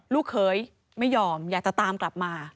ลูกเขยไม่ยอมอยากจะตามกลับมา